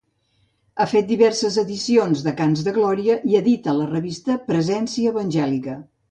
Ha fet diverses edicions de Cants de Glòria i edita la revista Presència Evangèlica.